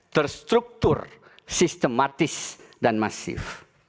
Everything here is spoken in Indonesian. terstruktur sistematis dan masif